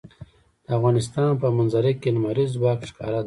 د افغانستان په منظره کې لمریز ځواک ښکاره ده.